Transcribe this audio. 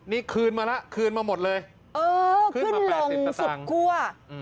นี่คืนมาแล้วคืนมาหมดเลยเออขึ้นลงสุดคั่ว